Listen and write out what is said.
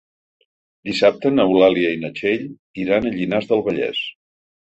Dissabte n'Eulàlia i na Txell iran a Llinars del Vallès.